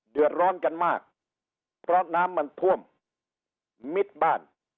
เดือดร้อนกันมากเพราะน้ำมันท่วมมิดบ้าน